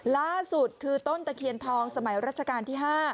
ล่าสุดคือต้นตะเคียนทองสมัยรัชกาลที่๕